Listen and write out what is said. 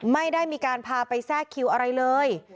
ไม่ได้มีการพาไปแทรกคิวอะไรเลย